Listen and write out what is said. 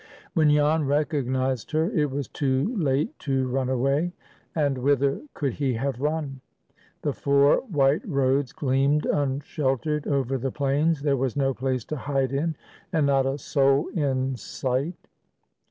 When Jan recognized her, it was too late to run away. And whither could he have run? The four white roads gleamed unsheltered over the plains; there was no place to hide in, and not a soul in sight.